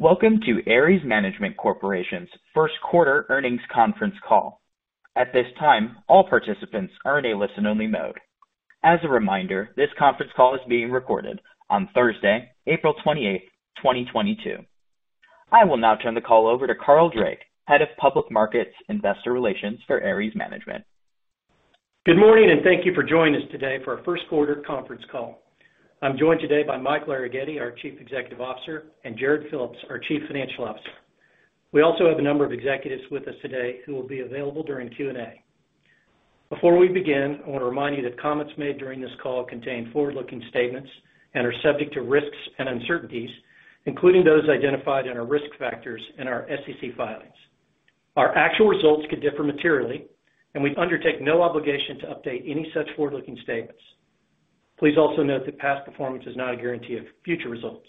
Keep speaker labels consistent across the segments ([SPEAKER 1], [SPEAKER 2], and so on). [SPEAKER 1] Welcome to Ares Management Corporation's first quarter earnings conference call. At this time, all participants are in a listen-only mode. As a reminder, this conference call is being recorded on Thursday, April 28, 2022. I will now turn the call over to Carl Drake, Head of Public Markets Investor Relations for Ares Management.
[SPEAKER 2] Good morning, and thank you for joining us today for our first quarter conference call. I'm joined today by Michael Arougheti, our Chief Executive Officer, and Jarrod Phillips, our Chief Financial Officer. We also have a number of executives with us today who will be available during Q&A. Before we begin, I wanna remind you that comments made during this call contain forward-looking statements and are subject to risks and uncertainties, including those identified in our risk factors in our SEC filings. Our actual results could differ materially, and we undertake no obligation to update any such forward-looking statements. Please also note that past performance is not a guarantee of future results.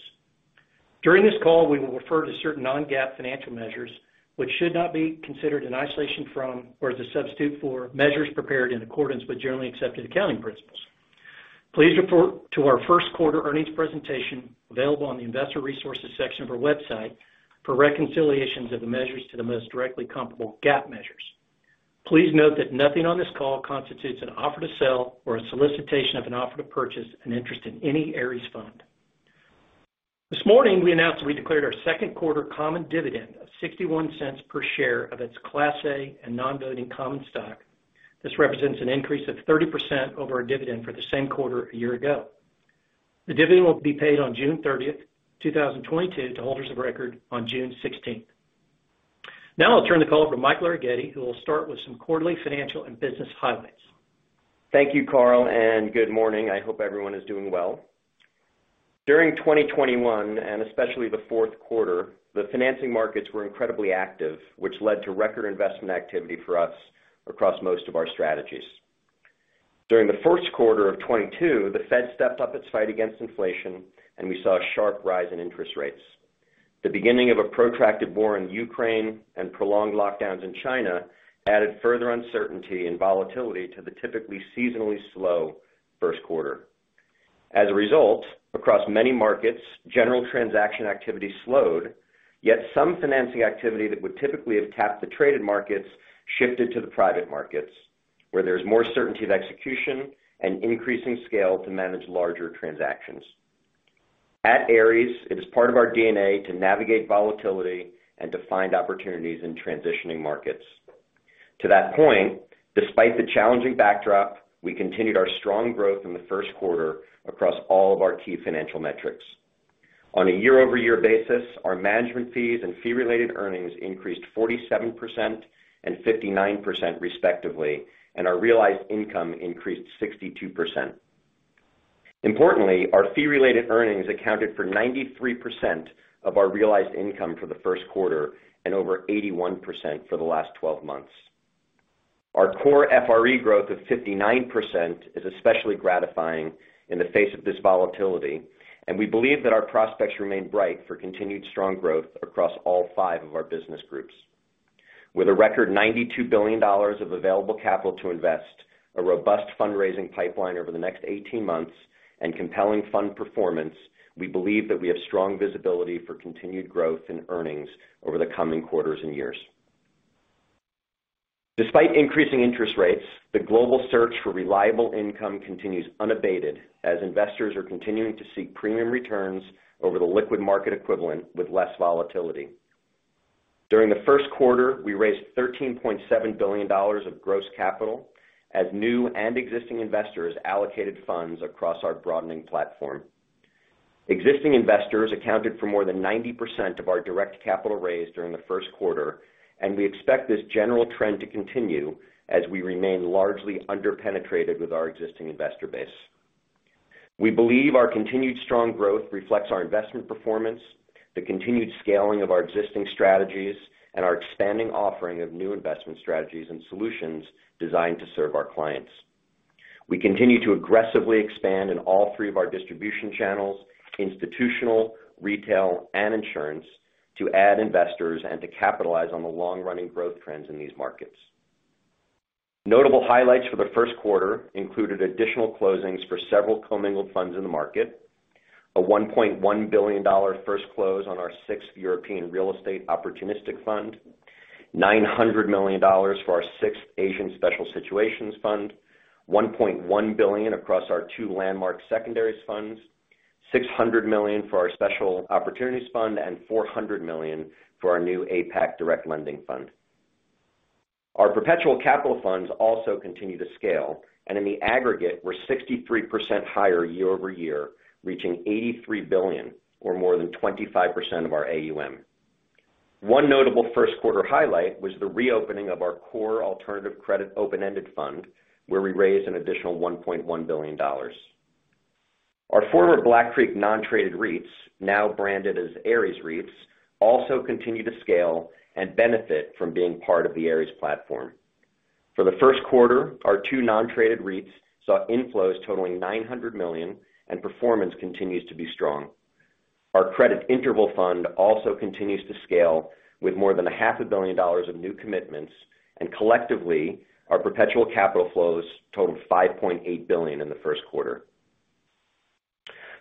[SPEAKER 2] During this call, we will refer to certain non-GAAP financial measures, which should not be considered in isolation from or as a substitute for measures prepared in accordance with generally accepted accounting principles. Please report to our first quarter earnings presentation available on the investor resources section of our website for reconciliations of the measures to the most directly comparable GAAP measures. Please note that nothing on this call constitutes an offer to sell or a solicitation of an offer to purchase an interest in any Ares fund. This morning, we announced that we declared our second quarter common dividend of $0.61 per share of its Class A and non-voting common stock. This represents an increase of 30% over our dividend for the same quarter a year ago. The dividend will be paid on June 30th, 2022 to holders of record on June 16th. Now I'll turn the call over to Michael Arougheti, who will start with some quarterly financial and business highlights.
[SPEAKER 3] Thank you, Carl, and good morning. I hope everyone is doing well. During 2021, and especially the fourth quarter, the financing markets were incredibly active, which led to record investment activity for us across most of our strategies. During the first quarter of 2022, the Fed stepped up its fight against inflation, and we saw a sharp rise in interest rates. The beginning of a protracted war in Ukraine and prolonged lockdowns in China added further uncertainty and volatility to the typically seasonally slow first quarter. As a result, across many markets, general transaction activity slowed, yet some financing activity that would typically have tapped the traded markets shifted to the private markets, where there's more certainty of execution and increasing scale to manage larger transactions. At Ares, it is part of our DNA to navigate volatility and to find opportunities in transitioning markets. To that point, despite the challenging backdrop, we continued our strong growth in the first quarter across all of our key financial metrics. On a year-over-year basis, our management fees and fee related earnings increased 47% and 59% respectively, and our realized income increased 62%. Importantly, our fee related earnings accounted for 93% of our realized income for the first quarter and over 81% for the last 12 months. Our core FRE growth of 59% is especially gratifying in the face of this volatility, and we believe that our prospects remain bright for continued strong growth across all five of our business groups. With a record $92 billion of available capital to invest, a robust fundraising pipeline over the next 18 months, and compelling fund performance, we believe that we have strong visibility for continued growth in earnings over the coming quarters and years. Despite increasing interest rates, the global search for reliable income continues unabated as investors are continuing to seek premium returns over the liquid market equivalent with less volatility. During the first quarter, we raised $13.7 billion of gross capital as new and existing investors allocated funds across our broadening platform. Existing investors accounted for more than 90% of our direct capital raised during the first quarter, and we expect this general trend to continue as we remain largely under-penetrated with our existing investor base. We believe our continued strong growth reflects our investment performance, the continued scaling of our existing strategies, and our expanding offering of new investment strategies and solutions designed to serve our clients. We continue to aggressively expand in all three of our distribution channels, institutional, retail, and insurance, to add investors and to capitalize on the long-running growth trends in these markets. Notable highlights for the first quarter included additional closings for several commingled funds in the market, a $1.1 billion first close on our sixth European Real Estate Opportunistic Fund, $900 million for our sixth Asian Special Situations Fund, $1.1 billion across our two Landmark secondaries funds, $600 million for our Special Opportunities Fund, and $400 million for our new APAC Direct Lending Fund. Our perpetual capital funds also continue to scale, and in the aggregate, we're 63% higher year-over-year, reaching $83 billion or more than 25% of our AUM. One notable first quarter highlight was the reopening of our core alternative credit open-ended fund, where we raised an additional $1.1 billion. Our former Black Creek non-traded REITs, now branded as Ares REITs, also continue to scale and benefit from being part of the Ares platform. For the first quarter, our two non-traded REITs saw inflows totaling $900 million, and performance continues to be strong. Our credit interval fund also continues to scale with more than $0.5 billion of new commitments, and collectively, our perpetual capital flows totaled $5.8 billion in the first quarter.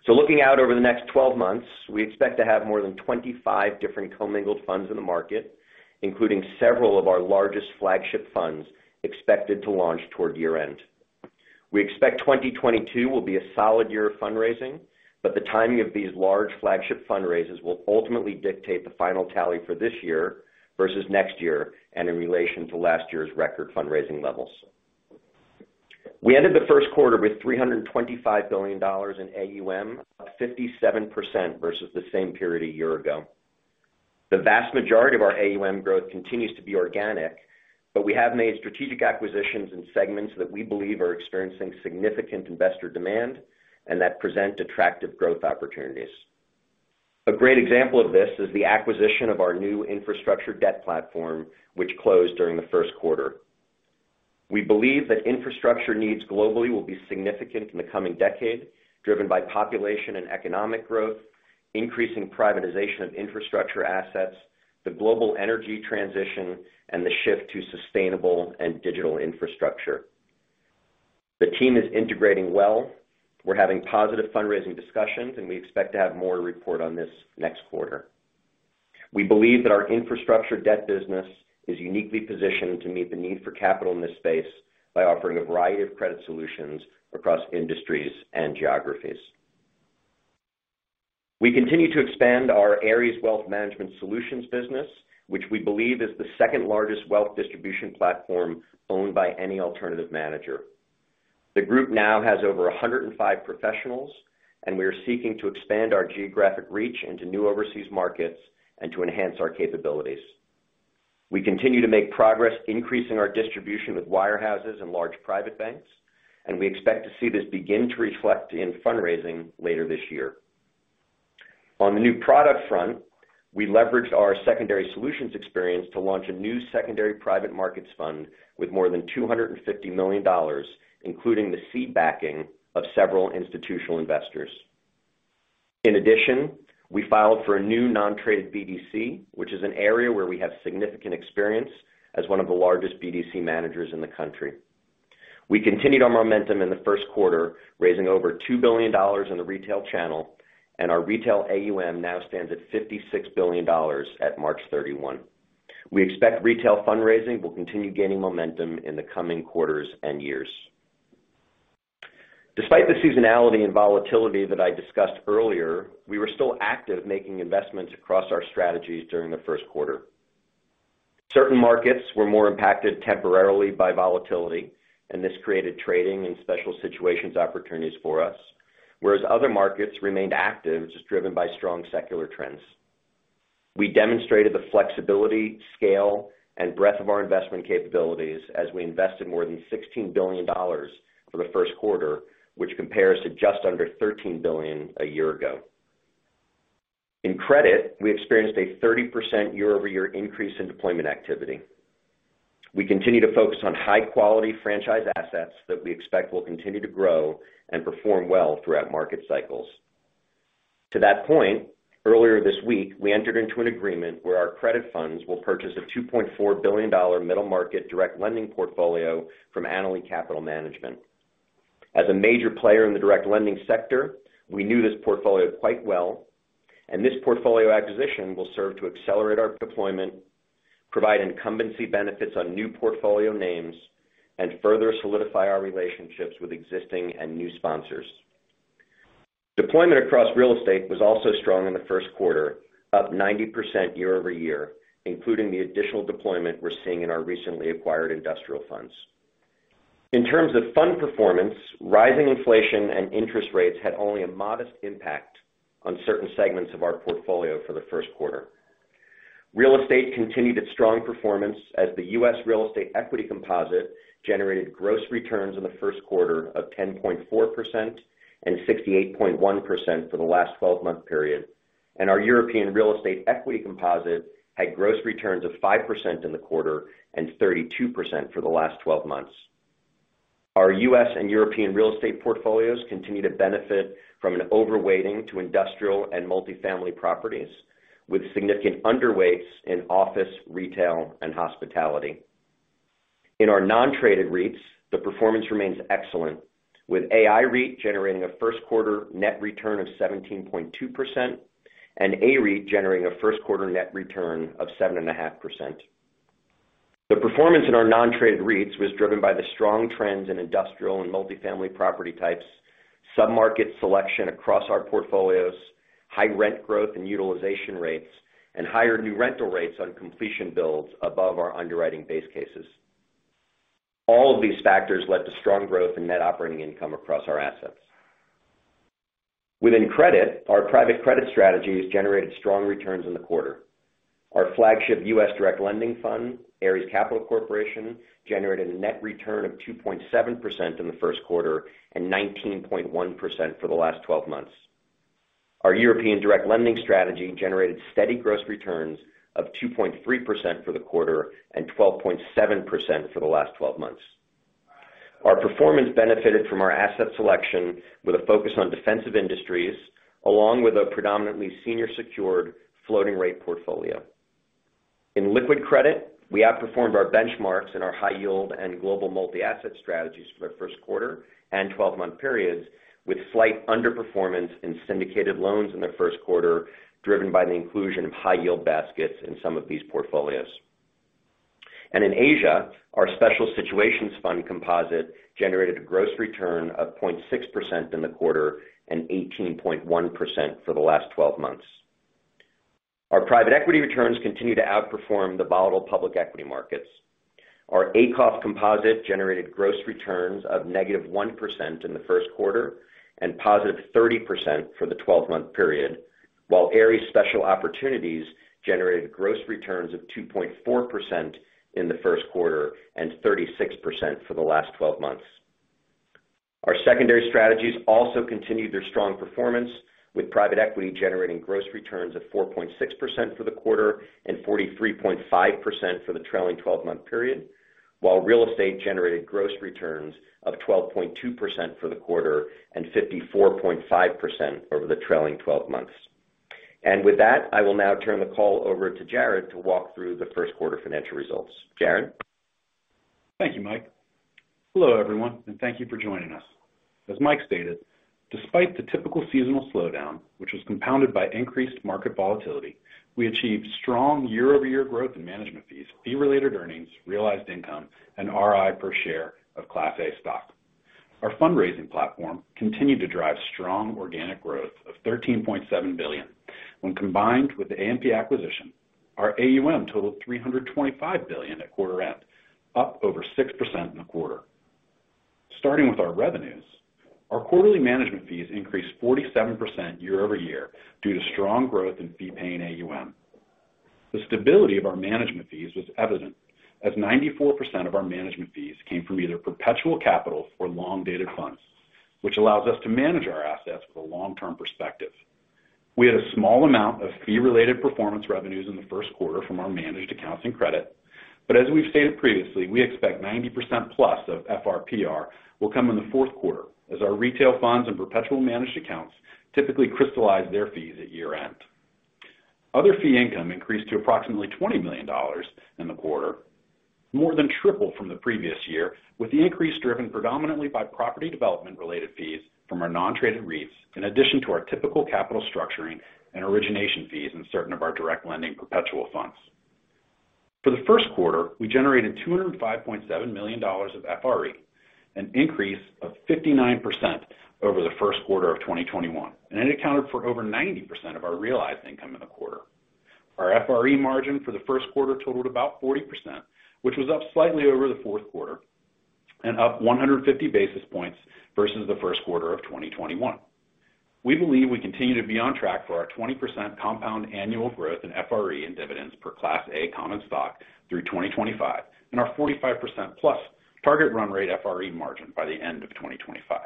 [SPEAKER 3] Looking out over the next 12 months, we expect to have more than 25 different commingled funds in the market, including several of our largest flagship funds expected to launch toward year-end. We expect 2022 will be a solid year of fundraising, but the timing of these large flagship fundraisers will ultimately dictate the final tally for this year versus next year and in relation to last year's record fundraising levels. We ended the first quarter with $325 billion in AUM, up 57% versus the same period a year ago. The vast majority of our AUM growth continues to be organic, but we have made strategic acquisitions in segments that we believe are experiencing significant investor demand and that present attractive growth opportunities. A great example of this is the acquisition of our new infrastructure debt platform, which closed during the first quarter. We believe that infrastructure needs globally will be significant in the coming decade, driven by population and economic growth, increasing privatization of infrastructure assets, the global energy transition, and the shift to sustainable and digital infrastructure. The team is integrating well. We're having positive fundraising discussions, and we expect to have more to report on this next quarter. We believe that our infrastructure debt business is uniquely positioned to meet the need for capital in this space by offering a variety of credit solutions across industries and geographies. We continue to expand our Ares Wealth Management Solutions business, which we believe is the second largest wealth distribution platform owned by any alternative manager. The group now has over 105 professionals, and we are seeking to expand our geographic reach into new overseas markets and to enhance our capabilities. We continue to make progress increasing our distribution with wirehouses and large private banks, and we expect to see this begin to reflect in fundraising later this year. On the new product front, we leveraged our secondary solutions experience to launch a new secondary private markets fund with more than $250 million, including the seed backing of several institutional investors. In addition, we filed for a new non-traded BDC, which is an area where we have significant experience as one of the largest BDC managers in the country. We continued our momentum in the first quarter, raising over $2 billion in the retail channel, and our retail AUM now stands at $56 billion at March 31. We expect retail fundraising will continue gaining momentum in the coming quarters and years. Despite the seasonality and volatility that I discussed earlier, we were still active making investments across our strategies during the first quarter. Certain markets were more impacted temporarily by volatility, and this created trading and special situations opportunities for us, whereas other markets remained active, which is driven by strong secular trends. We demonstrated the flexibility, scale, and breadth of our investment capabilities as we invested more than $16 billion for the first quarter, which compares to just under $13 billion a year ago. In credit, we experienced a 30% year-over-year increase in deployment activity. We continue to focus on high-quality franchise assets that we expect will continue to grow and perform well throughout market cycles. To that point, earlier this week, we entered into an agreement where our credit funds will purchase a $2.4 billion middle market direct lending portfolio from Annaly Capital Management. As a major player in the direct lending sector, we knew this portfolio quite well, and this portfolio acquisition will serve to accelerate our deployment, provide incumbency benefits on new portfolio names, and further solidify our relationships with existing and new sponsors. Deployment across real estate was also strong in the first quarter, up 90% year-over-year, including the additional deployment we're seeing in our recently acquired industrial funds. In terms of fund performance, rising inflation and interest rates had only a modest impact on certain segments of our portfolio for the first quarter. Real estate continued its strong performance as the U.S. real estate equity composite generated gross returns in the first quarter of 10.4% and 68.1% for the last 12-month period. Our European real estate equity composite had gross returns of 5% in the quarter and 32% for the last twelve months. Our US and European real estate portfolios continue to benefit from an overweighting to industrial and multifamily properties, with significant underweights in office, retail, and hospitality. In our non-traded REITs, the performance remains excellent, with AIREIT generating a first quarter net return of 17.2% and AREIT generating a first quarter net return of 7.5%. The performance in our non-traded REITs was driven by the strong trends in industrial and multifamily property types, submarket selection across our portfolios, high rent growth and utilization rates, and higher new rental rates on completion builds above our underwriting base cases. All of these factors led to strong growth in net operating income across our assets. Within credit, our private credit strategies generated strong returns in the quarter. Our flagship U.S. direct lending fund, Ares Capital Corporation, generated a net return of 2.7% in the first quarter and 19.1% for the last twelve months. Our European direct lending strategy generated steady gross returns of 2.3% for the quarter and 12.7% for the last 12 months. Our performance benefited from our asset selection with a focus on defensive industries, along with a predominantly senior secured floating rate portfolio. In liquid credit, we outperformed our benchmarks in our high yield and global multi-asset strategies for the first quarter and 12-month periods, with slight underperformance in syndicated loans in the first quarter, driven by the inclusion of high yield baskets in some of these portfolios. In Asia, our Special Situations Fund composite generated a gross return of 0.6% in the quarter and 18.1% for the last 12 months. Our private equity returns continue to outperform the volatile public equity markets. Our ACOF composite generated gross returns of -1% in the first quarter and 30% for the 12-month period, while Ares Special Opportunities generated gross returns of 2.4% in the first quarter and 36% for the last 12 months. Our secondary strategies also continued their strong performance, with private equity generating gross returns of 4.6% for the quarter and 43.5% for the trailing 12-month period, while real estate generated gross returns of 12.2% for the quarter and 54.5% over the trailing 12 months. With that, I will now turn the call over to Jarrod to walk through the first quarter financial results. Jarrod?
[SPEAKER 4] Thank you, Mike. Hello, everyone, and thank you for joining us. As Mike stated, despite the typical seasonal slowdown, which was compounded by increased market volatility, we achieved strong year-over-year growth in management fees, fee-related earnings, realized income, and RI per share of Class A stock. Our fundraising platform continued to drive strong organic growth of $13.7 billion. When combined with the AMP acquisition, our AUM totaled $325 billion at quarter end, up over 6% in the quarter. Starting with our revenues, our quarterly management fees increased 47% year-over-year due to strong growth in fee-paying AUM. The stability of our management fees was evident, as 94% of our management fees came from either perpetual capital or long-dated funds, which allows us to manage our assets with a long-term perspective. We had a small amount of fee-related performance revenues in the first quarter from our managed accounts and credit. As we've stated previously, we expect 90% plus of FRPR will come in the fourth quarter as our retail funds and perpetual managed accounts typically crystallize their fees at year-end. Other fee income increased to approximately $20 million in the quarter, more than triple from the previous year, with the increase driven predominantly by property development-related fees from our non-traded REITs, in addition to our typical capital structuring and origination fees in certain of our direct lending perpetual funds. For the first quarter, we generated $205.7 million of FRE, an increase of 59% over the first quarter of 2021, and it accounted for over 90% of our realized income in the quarter. Our FRE margin for the first quarter totaled about 40%, which was up slightly over the fourth quarter and up 150 basis points versus the first quarter of 2021. We believe we continue to be on track for our 20% compound annual growth in FRE and dividends per Class A common stock through 2025 and our 45%+ target run rate FRE margin by the end of 2025.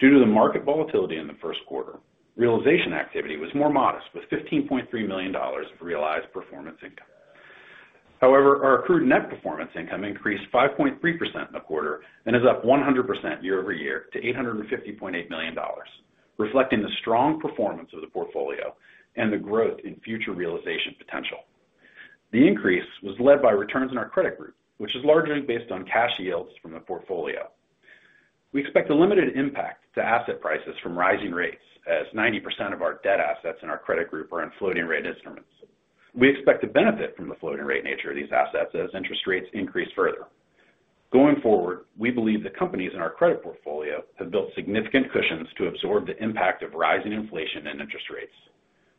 [SPEAKER 4] Due to the market volatility in the first quarter, realization activity was more modest, with $15.3 million of realized performance income. However, our accrued net performance income increased 5.3% in the quarter and is up 100% year-over-year to $850.8 million, reflecting the strong performance of the portfolio and the growth in future realization potential. The increase was led by returns in our credit group, which is largely based on cash yields from the portfolio. We expect a limited impact to asset prices from rising rates, as 90% of our debt assets in our credit group are in floating rate instruments. We expect to benefit from the floating rate nature of these assets as interest rates increase further. Going forward, we believe the companies in our credit portfolio have built significant cushions to absorb the impact of rising inflation and interest rates.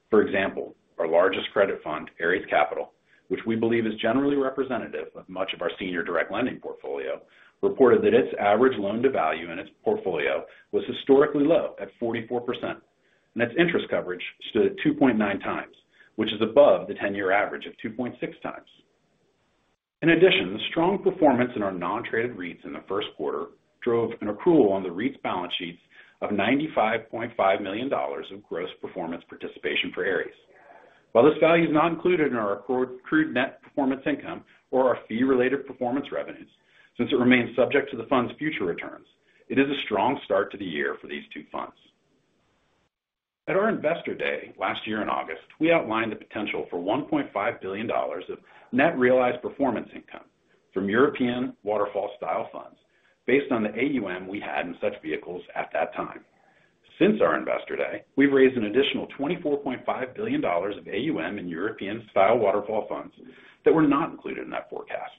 [SPEAKER 4] For example, our largest credit fund, Ares Capital, which we believe is generally representative of much of our senior direct lending portfolio, reported that its average loan to value in its portfolio was historically low at 44%, and its interest coverage stood at 2.9 times, which is above the 10-year average of 2.6 times. In addition, the strong performance in our non-traded REITs in the first quarter drove an accrual on the REITs balance sheets of $95.5 million of gross performance participation for Ares. While this value is not included in our accrued net performance income or our fee-related performance revenues, since it remains subject to the fund's future returns, it is a strong start to the year for these two funds. At our Investor Day last year in August, we outlined the potential for $1.5 billion of net realized performance income from European style waterfall funds based on the AUM we had in such vehicles at that time. Since our Investor Day, we've raised an additional $24.5 billion of AUM in European style waterfall funds that were not included in that forecast.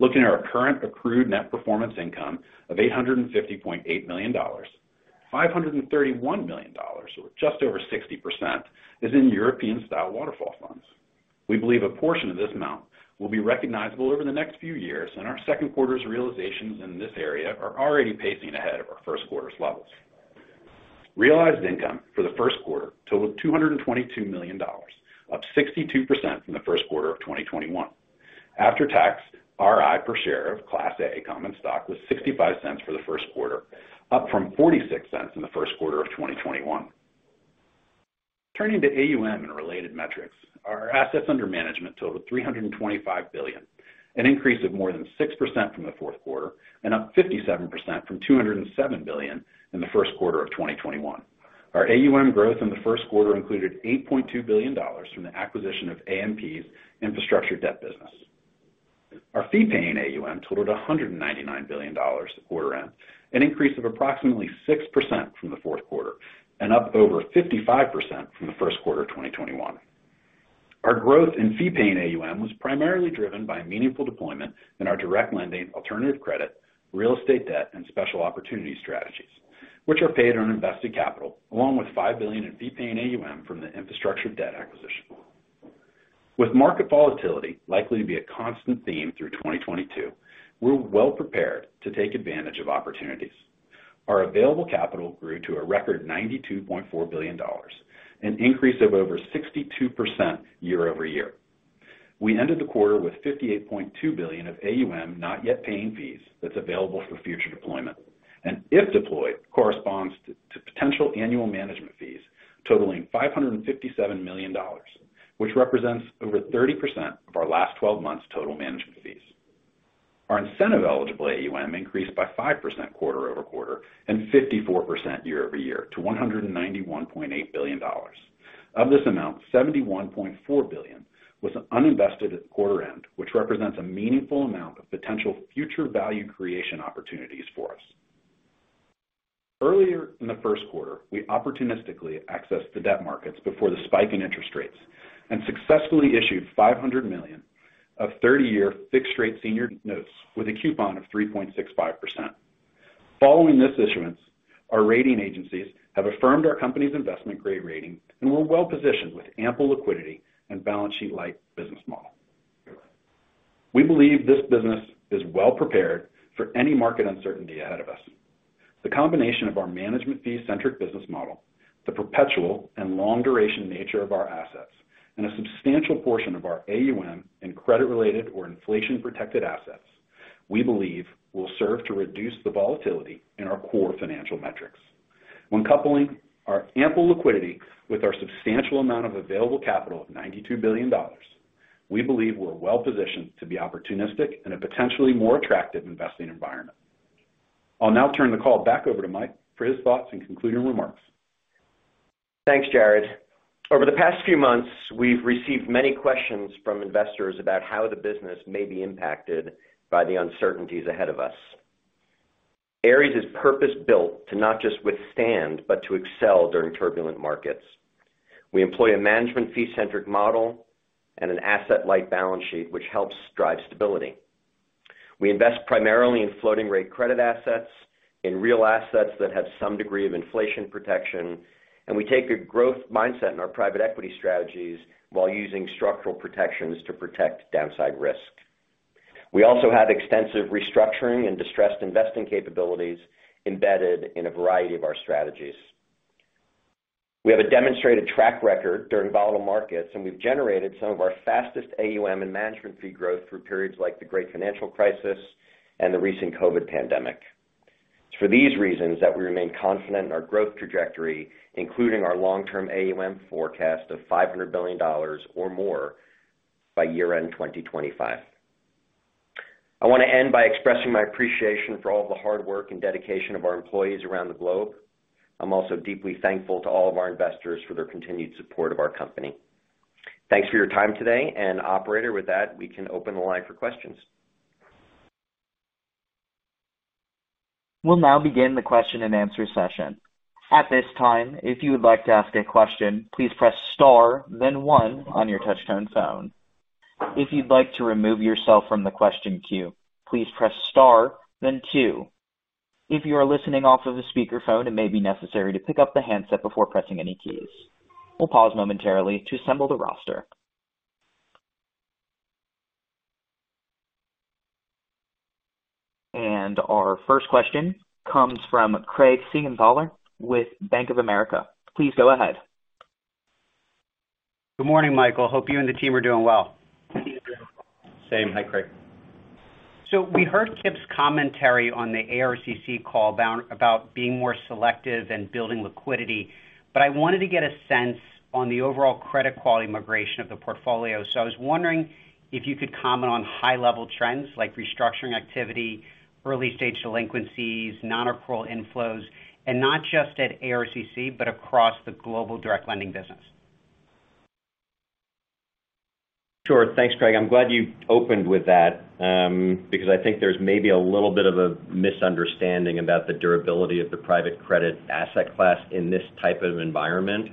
[SPEAKER 4] Looking at our current accrued net performance income of $850.8 million, $531 million, or just over 60%, is in European-style waterfall funds. We believe a portion of this amount will be recognizable over the next few years, and our second quarter's realizations in this area are already pacing ahead of our first quarter's levels. Realized income for the first quarter totaled $222 million, up 62% from the first quarter of 2021. After-tax RI per share of Class A common stock was $0.65 for the first quarter, up from $0.46 in the first quarter of 2021. Turning to AUM and related metrics, our assets under management totaled $325 billion, an increase of more than 6% from the fourth quarter and up 57% from $207 billion in the first quarter of 2021. Our AUM growth in the first quarter included $8.2 billion from the acquisition of AMP's infrastructure debt business. Our fee-paying AUM totaled $199 billion quarter end, an increase of approximately 6% from the fourth quarter, and up over 55% from the first quarter of 2021. Our growth in fee-paying AUM was primarily driven by meaningful deployment in our direct lending alternative credit, real estate debt, and special opportunity strategies, which are paid on invested capital, along with $5 billion in fee-paying AUM from the infrastructure debt acquisition. With market volatility likely to be a constant theme through 2022, we're well prepared to take advantage of opportunities. Our available capital grew to a record $92.4 billion, an increase of over 62% year-over-year. We ended the quarter with $58.2 billion of AUM, not yet paying fees that's available for future deployment. If deployed, corresponds to potential annual management fees totaling $557 million, which represents over 30% of our last twelve months total management fees. Our incentive eligible AUM increased by 5% quarter-over-quarter and 54% year-over-year to $191.8 billion. Of this amount, $71.4 billion was uninvested at quarter end, which represents a meaningful amount of potential future value creation opportunities for us. Earlier in the first quarter, we opportunistically accessed the debt markets before the spike in interest rates and successfully issued $500 million of 30-year fixed rate senior notes with a coupon of 3.65%. Following this issuance, our rating agencies have affirmed our company's investment grade rating, and we're well positioned with ample liquidity and balance sheet light business model. We believe this business is well prepared for any market uncertainty ahead of us. The combination of our management fee-centric business model, the perpetual and long duration nature of our assets, and a substantial portion of our AUM in credit related or inflation protected assets, we believe will serve to reduce the volatility in our core financial metrics. When coupling our ample liquidity with our substantial amount of available capital of $92 billion, we believe we're well positioned to be opportunistic in a potentially more attractive investing environment. I'll now turn the call back over to Mike for his thoughts and concluding remarks.
[SPEAKER 3] Thanks, Jarrod. Over the past few months, we've received many questions from investors about how the business may be impacted by the uncertainties ahead of us. Ares is purpose-built to not just withstand, but to excel during turbulent markets. We employ a management fee centric model and an asset light balance sheet which helps drive stability. We invest primarily in floating rate credit assets, in real assets that have some degree of inflation protection, and we take a growth mindset in our private equity strategies while using structural protections to protect downside risk. We also have extensive restructuring and distressed investing capabilities embedded in a variety of our strategies. We have a demonstrated track record during volatile markets, and we've generated some of our fastest AUM and management fee growth through periods like the Great Financial Crisis and the recent COVID pandemic. It's for these reasons that we remain confident in our growth trajectory, including our long-term AUM forecast of $500 billion or more by year-end 2025. I want to end by expressing my appreciation for all the hard work and dedication of our employees around the globe. I'm also deeply thankful to all of our investors for their continued support of our company. Thanks for your time today, and operator, with that, we can open the line for questions.
[SPEAKER 1] We'll now begin the question and answer session. At this time, if you would like to ask a question, please press star then one on your touchtone phone. If you'd like to remove yourself from the question queue, please press star then two. If you are listening off of a speaker phone, it may be necessary to pick up the handset before pressing any keys. We'll pause momentarily to assemble the roster. Our first question comes from Craig Siegenthaler with Bank of America. Please go ahead.
[SPEAKER 5] Good morning, Michael. Hope you and the team are doing well.
[SPEAKER 3] Same. Hi, Craig.
[SPEAKER 5] We heard Kipp's commentary on the ARCC call about being more selective and building liquidity. I wanted to get a sense on the overall credit quality migration of the portfolio. I was wondering if you could comment on high-level trends like restructuring activity, early stage delinquencies, non-accrual inflows, and not just at ARCC, but across the global direct lending business.
[SPEAKER 3] Sure. Thanks, Craig. I'm glad you opened with that, because I think there's maybe a little bit of a misunderstanding about the durability of the private credit asset class in this type of environment.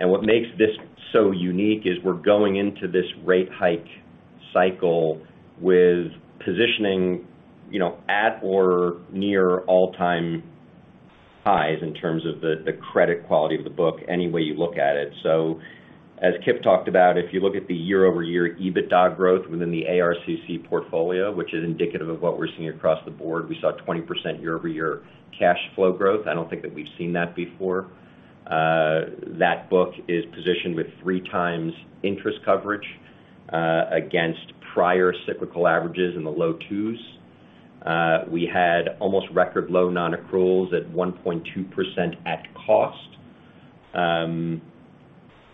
[SPEAKER 3] What makes this so unique is we're going into this rate hike cycle with positioning, you know, at or near all-time highs in terms of the credit quality of the book any way you look at it. As Kipp talked about, if you look at the year-over-year EBITDA growth within the ARCC portfolio, which is indicative of what we're seeing across the board. We saw 20% year-over-year cash flow growth. I don't think that we've seen that before. That book is positioned with three times interest coverage, against prior cyclical averages in the low twos. We had almost record low non-accruals at 1.2% at cost.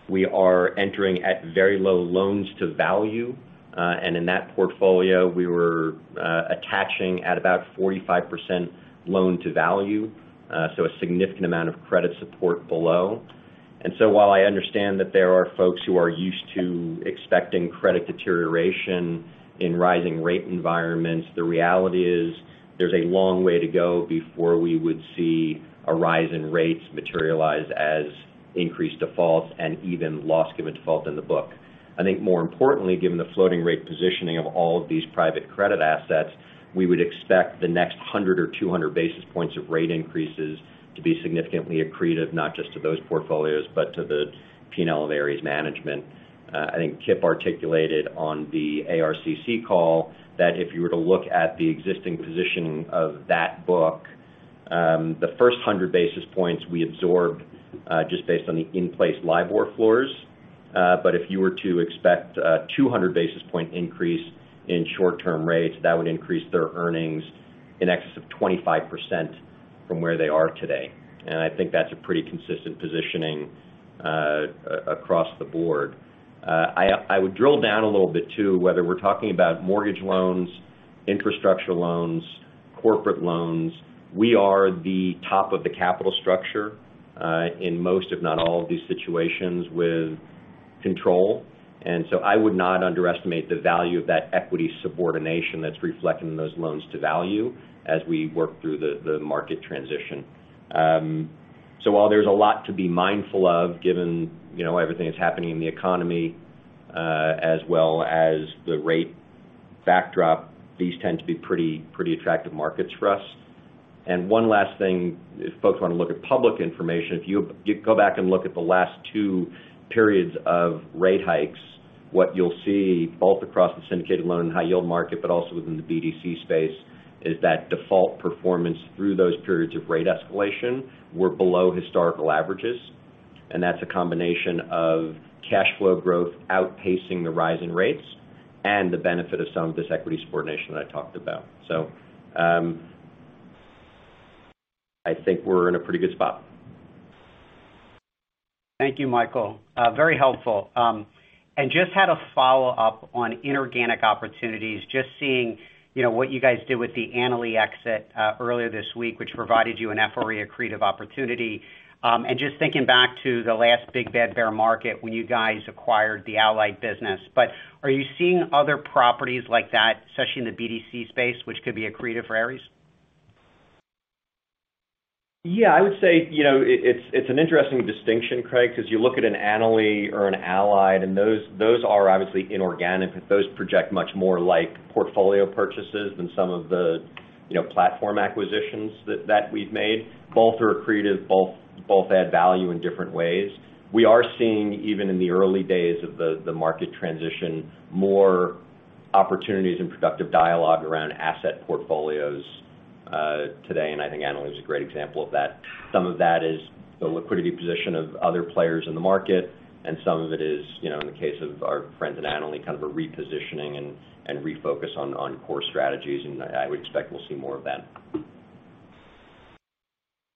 [SPEAKER 3] We are entering at very low loan to value. In that portfolio, we were attaching at about 45% loan to value, so a significant amount of credit support below. While I understand that there are folks who are used to expecting credit deterioration in rising rate environments, the reality is there's a long way to go before we would see a rise in rates materialize as increased defaults and even loss given default in the book. I think more importantly, given the floating rate positioning of all of these private credit assets, we would expect the next 100 basis points or 200 basis points of rate increases to be significantly accretive, not just to those portfolios, but to the P&L of Ares Management. I think Kip articulated on the ARCC call that if you were to look at the existing positioning of that book, the first 100 basis points we absorbed, just based on the in-place LIBOR floors. If you were to expect a 200 basis point increase in short-term rates, that would increase their earnings in excess of 25% from where they are today. I think that's a pretty consistent positioning across the board. I would drill down a little bit too, whether we're talking about mortgage loans, infrastructure loans, corporate loans. We are the top of the capital structure in most, if not all, of these situations with control. I would not underestimate the value of that equity subordination that's reflected in those loans to value as we work through the market transition. While there's a lot to be mindful of, given, you know, everything that's happening in the economy, as well as the rate backdrop, these tend to be pretty attractive markets for us. One last thing. If folks wanna look at public information, if you go back and look at the last two periods of rate hikes, what you'll see both across the syndicated loan and high yield market, but also within the BDC space, is that default performance through those periods of rate escalation were below historical averages. That's a combination of cash flow growth outpacing the rise in rates and the benefit of some of this equity subordination that I talked about. I think we're in a pretty good spot.
[SPEAKER 5] Thank you, Michael. Very helpful. Just had a follow-up on inorganic opportunities, just seeing, you know, what you guys did with the Annaly exit, earlier this week, which provided you an FRE accretive opportunity. Just thinking back to the last big bad bear market when you guys acquired the Allied business. Are you seeing other properties like that, especially in the BDC space, which could be accretive for Ares?
[SPEAKER 3] Yeah, I would say, you know, it's an interesting distinction, Craig, because you look at an Annaly or an Allied, and those are obviously inorganic, but those project much more like portfolio purchases than some of the, you know, platform acquisitions that we've made. Both are accretive, both add value in different ways. We are seeing, even in the early days of the market transition, more opportunities and productive dialogue around asset portfolios today, and I think Annaly is a great example of that. Some of that is the liquidity position of other players in the market, and some of it is, you know, in the case of our friends at Annaly, kind of a repositioning and refocus on core strategies, and I would expect we'll see more of that.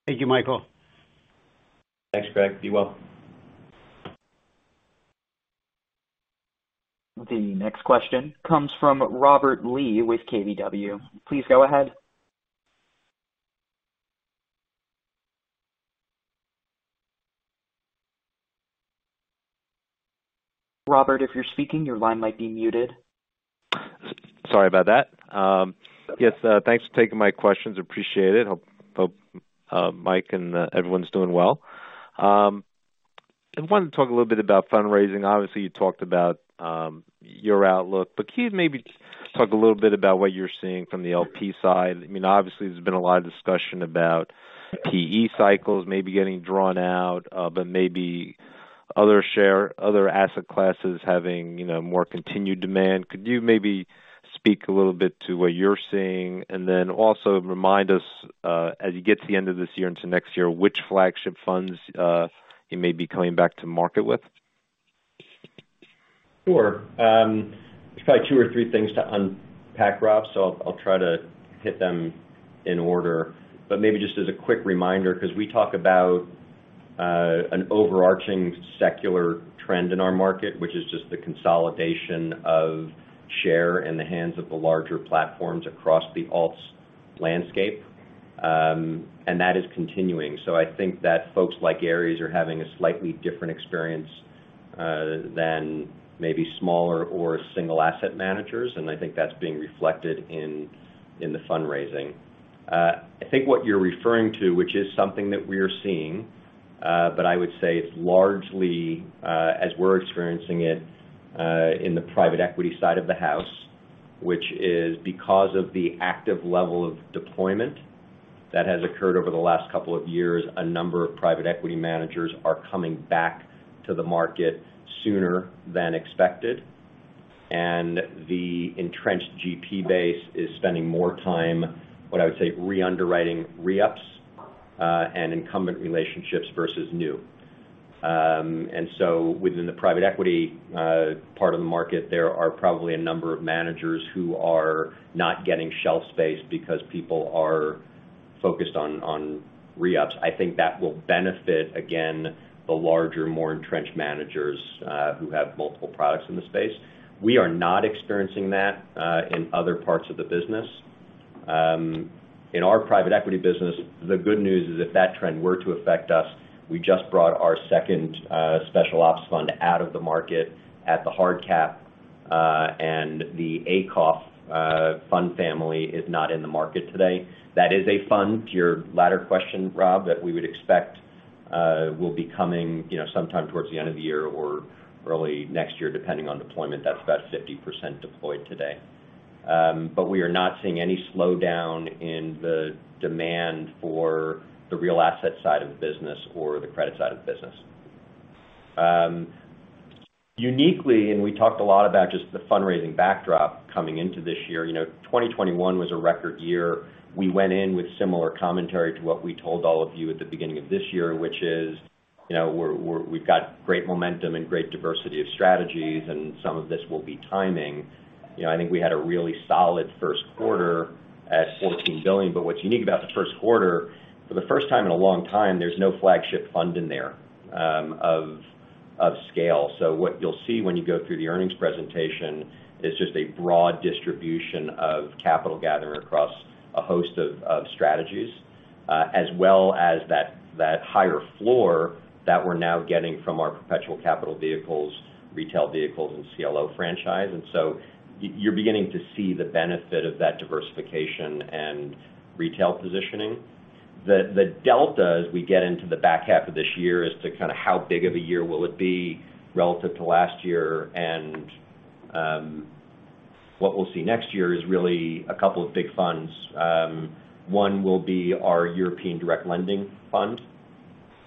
[SPEAKER 5] Thank you, Michael.
[SPEAKER 3] Thanks, Craig. Be well.
[SPEAKER 1] The next question comes from Robert Lee with KBW. Please go ahead. Robert, if you're speaking, your line might be muted.
[SPEAKER 6] Sorry about that. Yes, thanks for taking my questions. Appreciate it. Hope Mike and everyone's doing well. I wanted to talk a little bit about fundraising. Obviously, you talked about your outlook, but can you maybe talk a little bit about what you're seeing from the LP side? I mean, obviously, there's been a lot of discussion about PE cycles maybe getting drawn out, but maybe other asset classes having, you know, more continued demand. Could you maybe speak a little bit to what you're seeing? And then also remind us, as you get to the end of this year and to next year, which flagship funds you may be coming back to market with?
[SPEAKER 3] Sure. There's probably two or three things to unpack, Rob, so I'll try to hit them in order. Maybe just as a quick reminder, because we talk about an overarching secular trend in our market, which is just the consolidation of share in the hands of the larger platforms across the alts landscape, and that is continuing. I think that folks like Ares are having a slightly different experience than maybe smaller or single asset managers, and I think that's being reflected in the fundraising. I think what you're referring to, which is something that we're seeing, but I would say it's largely, as we're experiencing it, in the private equity side of the house, which is because of the active level of deployment that has occurred over the last couple of years, a number of private equity managers are coming back to the market sooner than expected. The entrenched GP base is spending more time, what I would say, re-underwriting re-ups, and incumbent relationships versus new. Within the private equity part of the market, there are probably a number of managers who are not getting shelf space because people are focused on re-ups. I think that will benefit, again, the larger, more entrenched managers, who have multiple products in the space. We are not experiencing that in other parts of the business. In our private equity business, the good news is if that trend were to affect us, we just brought our second Special Opportunities fund out of the market at the hard cap, and the ACOF fund family is not in the market today. That is a fund, to your latter question, Robert, that we would expect will be coming, you know, sometime towards the end of the year or early next year, depending on deployment. That's about 50% deployed today. But we are not seeing any slowdown in the demand for the real asset side of the business or the credit side of the business. Uniquely, we talked a lot about just the fundraising backdrop coming into this year. You know, 2021 was a record year. We went in with similar commentary to what we told all of you at the beginning of this year, which is, you know, we've got great momentum and great diversity of strategies, and some of this will be timing. You know, I think we had a really solid first quarter at $14 billion. But what's unique about the first quarter, for the first time in a long time, there's no flagship fund in there, of scale. So what you'll see when you go through the earnings presentation is just a broad distribution of capital gathering across a host of strategies, as well as that higher floor that we're now getting from our perpetual capital vehicles, retail vehicles, and CLO franchise. You're beginning to see the benefit of that diversification and retail positioning. The delta as we get into the back half of this year as to kind of how big of a year will it be relative to last year and what we'll see next year is really a couple of big funds. One will be our European direct lending fund,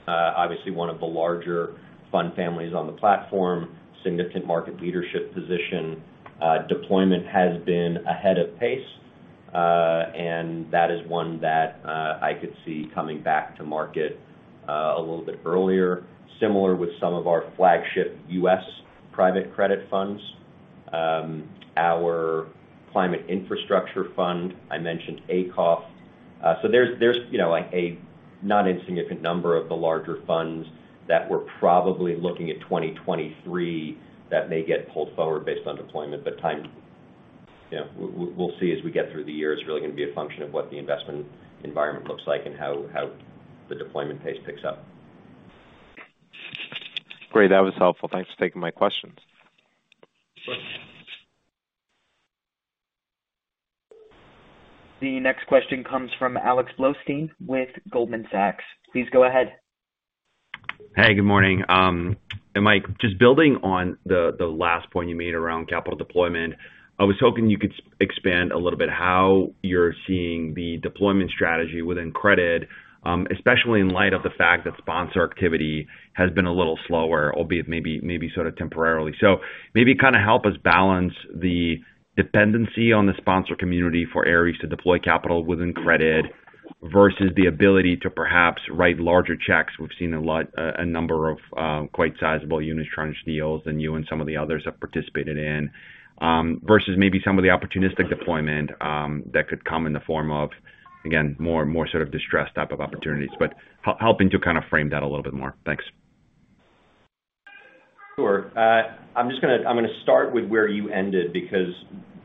[SPEAKER 3] obviously one of the larger fund families on the platform, significant market leadership position. Deployment has been ahead of pace, and that is one that I could see coming back to market a little bit earlier. Similar with some of our flagship U.S. private credit funds. Our climate infrastructure fund, I mentioned ACOF. So there's you know, like a not insignificant number of the larger funds that we're probably looking at 2023 that may get pulled forward based on deployment, but time. You know, we'll see as we get through the year. It's really gonna be a function of what the investment environment looks like and how the deployment pace picks up.
[SPEAKER 6] Great. That was helpful. Thanks for taking my questions.
[SPEAKER 3] Sure.
[SPEAKER 1] The next question comes from Alex Blostein with Goldman Sachs. Please go ahead.
[SPEAKER 7] Hey, good morning. Mike, just building on the last point you made around capital deployment, I was hoping you could expand a little bit how you're seeing the deployment strategy within credit, especially in light of the fact that sponsor activity has been a little slower, albeit maybe sort of temporarily. Maybe kind of help us balance the dependency on the sponsor community for Ares to deploy capital within credit versus the ability to perhaps write larger checks. We've seen a lot, a number of quite sizable unitranche deals that you and some of the others have participated in versus maybe some of the opportunistic deployment that could come in the form of, again, more and more sort of distressed type of opportunities. Helping to kind of frame that a little bit more. Thanks.
[SPEAKER 3] Sure. I'm gonna start with where you ended because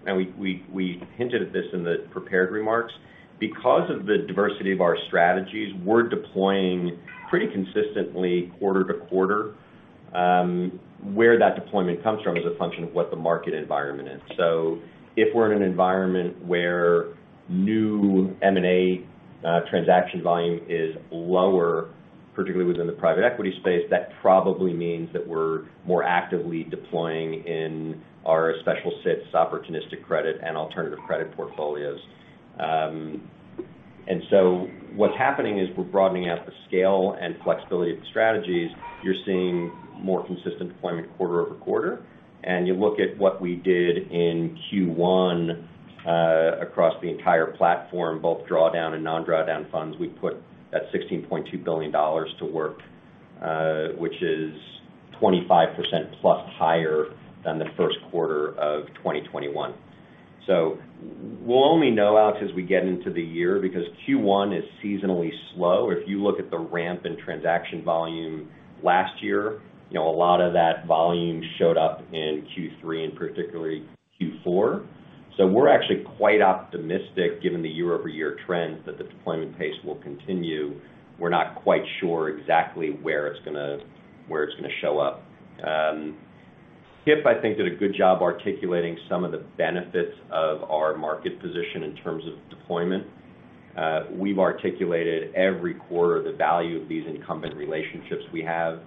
[SPEAKER 3] we hinted at this in the prepared remarks. Because of the diversity of our strategies, we're deploying pretty consistently quarter to quarter. Where that deployment comes from is a function of what the market environment is. If we're in an environment where new M&A transaction volume is lower, particularly within the private equity space, that probably means that we're more actively deploying in our special situations opportunistic credit and alternative credit portfolios. What's happening is we're broadening out the scale and flexibility of the strategies. You're seeing more consistent deployment quarter-over-quarter. You look at what we did in Q1 across the entire platform, both drawdown and non-drawdown funds. We put that $16.2 billion to work, which is 25%+ higher than the first quarter of 2021. We'll only know, Alex, as we get into the year because Q1 is seasonally slow. If you look at the ramp in transaction volume last year, you know, a lot of that volume showed up in Q3 and particularly Q4. We're actually quite optimistic given the year-over-year trend that the deployment pace will continue. We're not quite sure exactly where it's gonna show up. Kipp, I think, did a good job articulating some of the benefits of our market position in terms of deployment. We've articulated every quarter the value of these incumbent relationships we have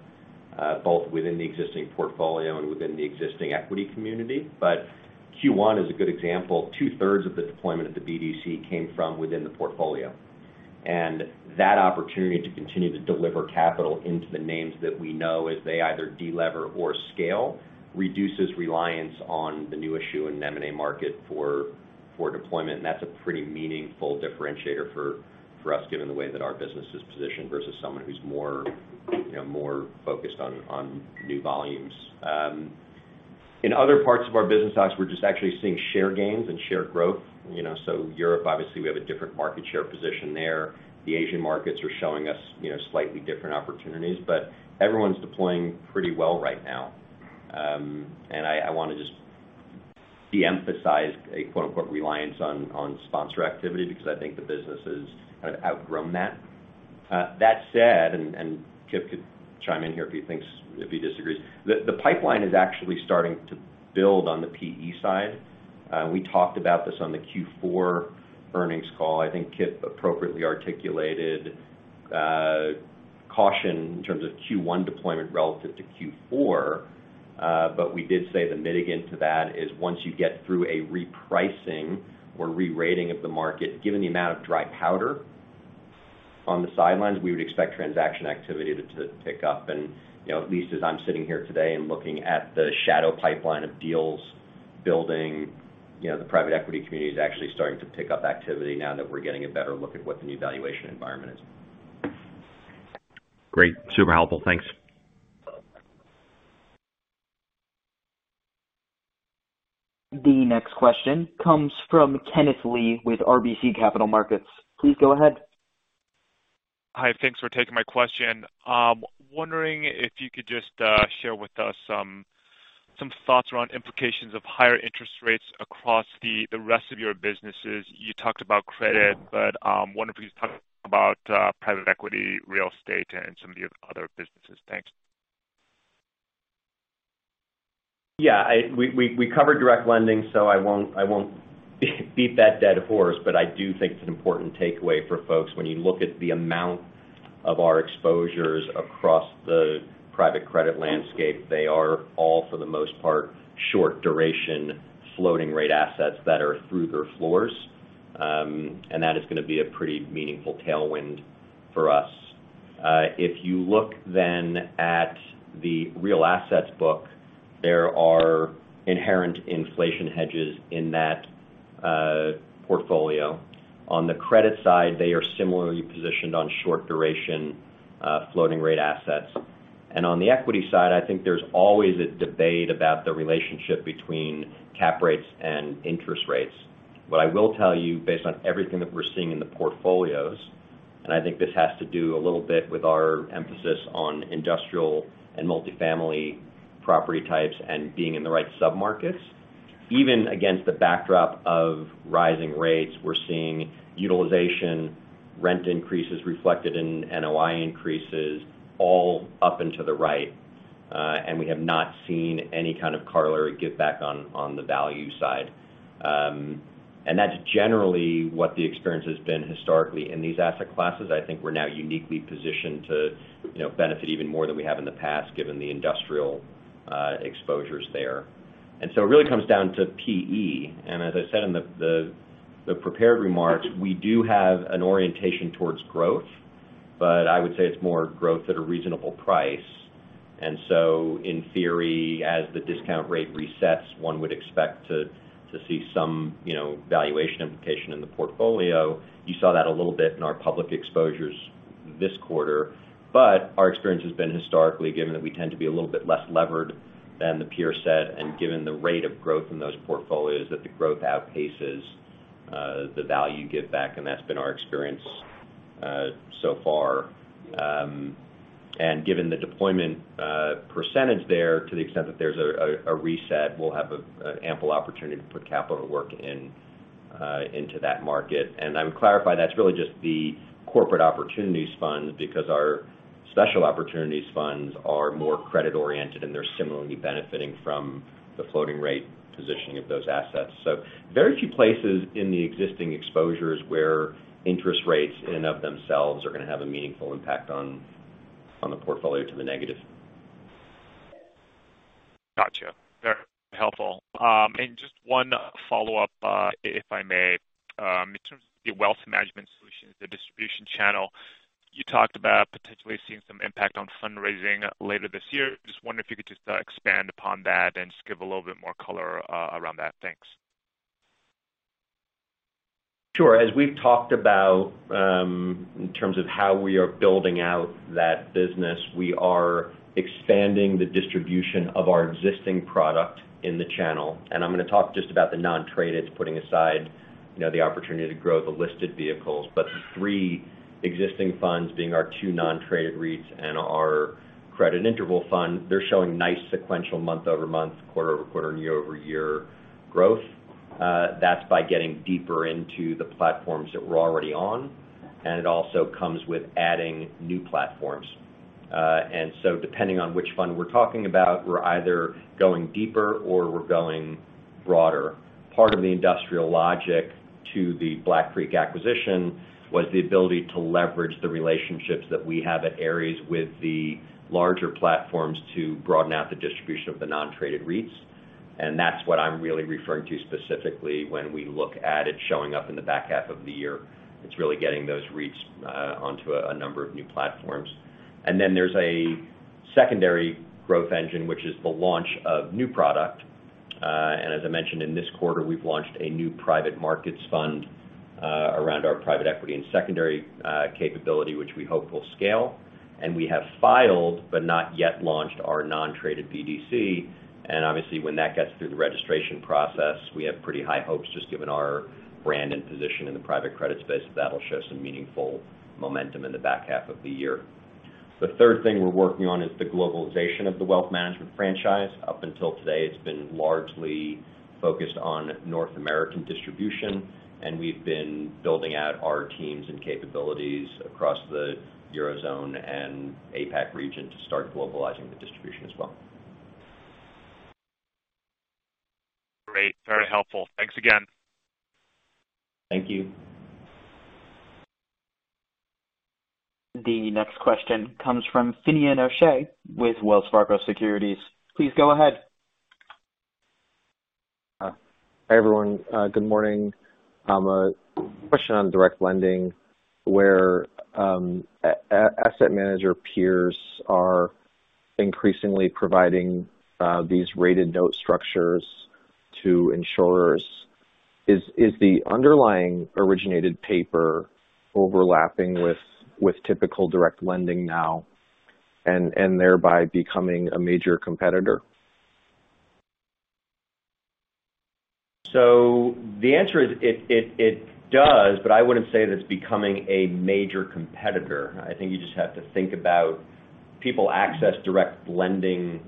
[SPEAKER 3] both within the existing portfolio and within the existing equity community. Q1 is a good example. Two third of the deployment at the BDC came from within the portfolio. That opportunity to continue to deliver capital into the names that we know as they either de-lever or scale reduces reliance on the new issue in M&A market for deployment. That's a pretty meaningful differentiator for us, given the way that our business is positioned versus someone who's more focused on new volumes. In other parts of our business, Alex, we're just actually seeing share gains and share growth. Europe, obviously, we have a different market share position there. The Asian markets are showing us slightly different opportunities, but everyone's deploying pretty well right now. I wanna just de-emphasize a quote, unquote, reliance on sponsor activity because I think the business has kind of outgrown that. That said, Kipp could chime in here if he disagrees. The pipeline is actually starting to build on the PE side. We talked about this on the Q4 earnings call. I think Kipp appropriately articulated caution in terms of Q1 deployment relative to Q4. We did say the mitigant to that is once you get through a repricing or re-rating of the market, given the amount of dry powder on the sidelines, we would expect transaction activity to pick up. You know, at least as I'm sitting here today and looking at the shadow pipeline of deals building, you know, the private equity community is actually starting to pick up activity now that we're getting a better look at what the new valuation environment is.
[SPEAKER 7] Great. Super helpful. Thanks.
[SPEAKER 1] The next question comes from Kenneth Lee with RBC Capital Markets. Please go ahead.
[SPEAKER 8] Hi. Thanks for taking my question. Wondering if you could just share with us some thoughts around implications of higher interest rates across the rest of your businesses. You talked about credit, but wonder if you could talk about private equity, real estate, and some of your other businesses. Thanks.
[SPEAKER 3] Yeah, we covered direct lending, so I won't beat that dead horse, but I do think it's an important takeaway for folks. When you look at the amount of our exposures across the private credit landscape, they are all, for the most part, short duration floating rate assets that are through their floors, and that is gonna be a pretty meaningful tailwind for us. If you look then at the real assets book, there are inherent inflation hedges in that portfolio. On the credit side, they are similarly positioned on short duration floating rate assets. On the equity side, I think there's always a debate about the relationship between cap rates and interest rates. What I will tell you based on everything that we're seeing in the portfolios, and I think this has to do a little bit with our emphasis on industrial and multifamily property types and being in the right submarkets. Even against the backdrop of rising rates, we're seeing utilization, rent increases reflected in NOI increases all up into the right, and we have not seen any kind of carry give back on the value side. And that's generally what the experience has been historically in these asset classes. I think we're now uniquely positioned to, you know, benefit even more than we have in the past given the industrial exposures there. It really comes down to PE. As I said in the prepared remarks, we do have an orientation towards growth, but I would say it's more growth at a reasonable price. In theory, as the discount rate resets, one would expect to see some you know valuation implication in the portfolio. You saw that a little bit in our public exposures this quarter. Our experience has been historically, given that we tend to be a little bit less levered than the peer set and given the rate of growth in those portfolios, that the growth outpaces the value giveback, and that's been our experience so far. Given the deployment percentage there to the extent that there's a reset, we'll have an ample opportunity to put capital to work into that market. I would clarify that's really just the corporate opportunities fund because our special opportunities funds are more credit-oriented, and they're similarly benefiting from the floating rate positioning of those assets. Very few places in the existing exposures where interest rates in and of themselves are gonna have a meaningful impact on the portfolio to the negative.
[SPEAKER 8] Gotcha. Very helpful. Just one follow-up, if I may. In terms of the wealth management solutions, the distribution channel, you talked about potentially seeing some impact on fundraising later this year. Just wondering if you could just expand upon that and just give a little bit more color around that. Thanks.
[SPEAKER 3] Sure. As we've talked about, in terms of how we are building out that business, we are expanding the distribution of our existing product in the channel, and I'm gonna talk just about the non-traded, putting aside, you know, the opportunity to grow the listed vehicles. The three existing funds being our two non-traded REITs and our credit interval fund, they're showing nice sequential month-over-month, quarter-over-quarter, and year-over-year growth. That's by getting deeper into the platforms that we're already on, and it also comes with adding new platforms. Depending on which fund we're talking about, we're either going deeper or we're going broader. Part of the industrial logic to the Black Creek acquisition was the ability to leverage the relationships that we have at Ares with the larger platforms to broaden out the distribution of the non-traded REITs, and that's what I'm really referring to specifically when we look at it showing up in the back half of the year. It's really getting those REITs onto a number of new platforms. Then there's a secondary growth engine, which is the launch of new product. As I mentioned in this quarter, we've launched a new private markets fund around our private equity and secondary capability, which we hope will scale. We have filed but not yet launched our non-traded BDC. Obviously, when that gets through the registration process, we have pretty high hopes, just given our brand and position in the private credit space, that'll show some meaningful momentum in the back half of the year. The third thing we're working on is the globalization of the wealth management franchise. Up until today, it's been largely focused on North American distribution, and we've been building out our teams and capabilities across the Eurozone and APAC region to start globalizing the distribution as well.
[SPEAKER 8] Great. Very helpful. Thanks again.
[SPEAKER 3] Thank you.
[SPEAKER 1] The next question comes from Finian O'Shea with Wells Fargo Securities. Please go ahead.
[SPEAKER 9] Hi, everyone. Good morning. A question on direct lending, where asset manager peers are increasingly providing these rated note structures to insurers. Is the underlying originated paper overlapping with typical direct lending now and thereby becoming a major competitor?
[SPEAKER 3] The answer is it does, but I wouldn't say that it's becoming a major competitor. I think you just have to think about people access direct lending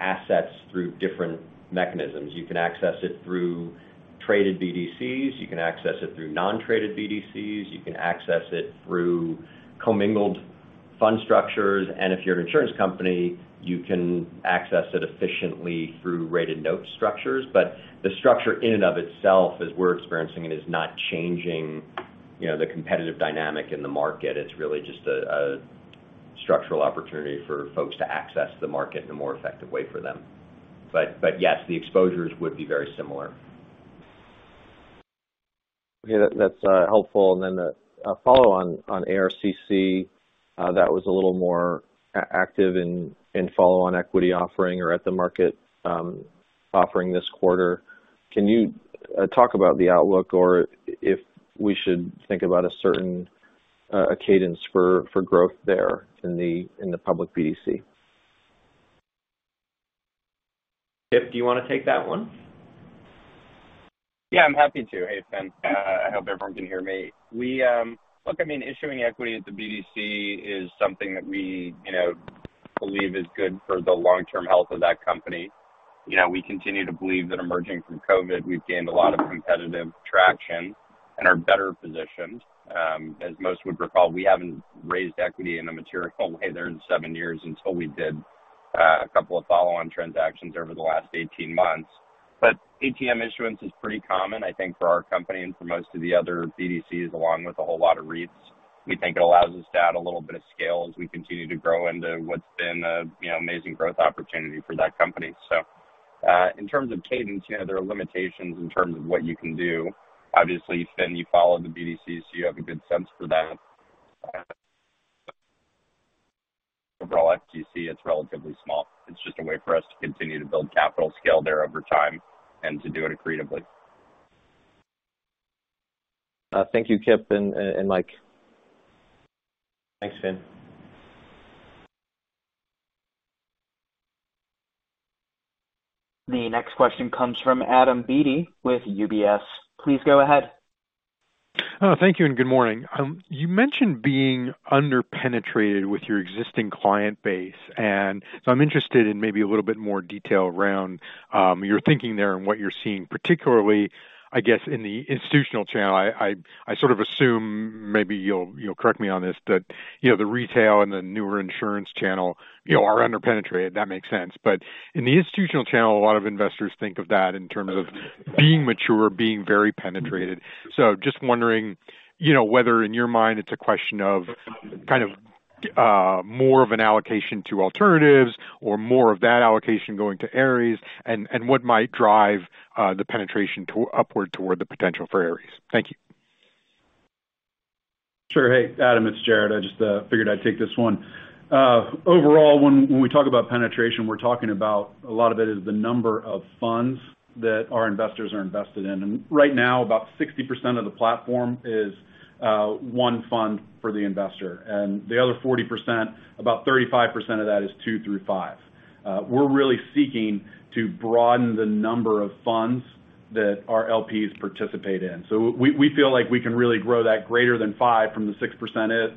[SPEAKER 3] assets through different mechanisms. You can access it through traded BDCs. You can access it through non-traded BDCs. You can access it through commingled fund structures, and if you're an insurance company, you can access it efficiently through rated note structures. But the structure in and of itself, as we're experiencing it, is not changing, you know, the competitive dynamic in the market. It's really just a structural opportunity for folks to access the market in a more effective way for them. But yes, the exposures would be very similar.
[SPEAKER 9] Okay. That’s helpful. Then a follow-on on ARCC that was a little more active in follow-on equity offering or at-the-market offering this quarter. Can you talk about the outlook or if we should think about a certain cadence for growth there in the public BDC?
[SPEAKER 3] Kipp, do you wanna take that one?
[SPEAKER 10] Yeah, I'm happy to. Hey, Finn. I hope everyone can hear me. Look, I mean, issuing equity at the BDC is something that we, you know, believe is good for the long-term health of that company. You know, we continue to believe that emerging from COVID, we've gained a lot of competitive traction and are better positioned. As most would recall, we haven't raised equity in a material way there in seven years until we did a couple of follow-on transactions over the last 18 months. ATM issuance is pretty common, I think, for our company and for most of the other BDCs, along with a whole lot of REITs. We think it allows us to add a little bit of scale as we continue to grow into what's been a, you know, amazing growth opportunity for that company. In terms of cadence, you know, there are limitations in terms of what you can do. Obviously, Finn, you follow the BDC, so you have a good sense for that. Overall, ATM, it's relatively small. It's just a way for us to continue to build capital scale there over time and to do it accretively.
[SPEAKER 9] Thank you, Kipp and Mike.
[SPEAKER 3] Thanks, Finn.
[SPEAKER 1] The next question comes from Adam Beatty with UBS. Please go ahead.
[SPEAKER 11] Oh, thank you, and good morning. You mentioned being under-penetrated with your existing client base, and so I'm interested in maybe a little bit more detail around your thinking there and what you're seeing, particularly, I guess, in the institutional channel. I sort of assume, maybe you'll correct me on this, that, you know, the retail and the newer insurance channel, you know, are under-penetrated. That makes sense. In the institutional channel, a lot of investors think of that in terms of being mature, being very penetrated. Just wondering, you know, whether in your mind, it's a question of kind of more of an allocation to alternatives or more of that allocation going to Ares and what might drive the penetration upward toward the potential for Ares. Thank you.
[SPEAKER 4] Sure. Hey, Adam, it's Jarrod. I just figured I'd take this one. Overall, when we talk about penetration, we're talking about a lot of it is the number of funds that our investors are invested in. Right now, about 60% of the platform is one fund for the investor. The other 40%, about 35% of that is two through five. We're really seeking to broaden the number of funds that our LPs participate in. We feel like we can really grow that greater than 5% from the 6% it